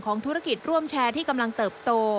ธุรกิจร่วมแชร์ที่กำลังเติบโต